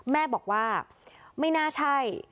แม่บอกว่าไม่น่าใช่